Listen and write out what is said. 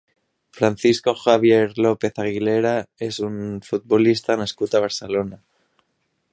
Francisco Javier López Aguilera és un futbolista nascut a Barcelona.